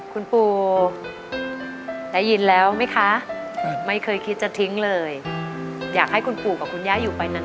คุณปู่ได้ยินแล้วไหมคะไม่เคยคิดจะทิ้งเลยอยากให้คุณปู่กับคุณย่าอยู่ไปนาน